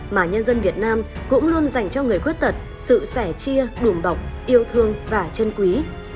mà nhân dân việt nam cũng luôn dành cho người khuyết tật sự sẻ chia đùm bọc yêu thương và chân quý